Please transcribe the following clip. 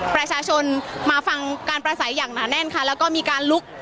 ประชาชนมาฟังการประสัยอย่างหนาแน่นค่ะแล้วก็มีการลุก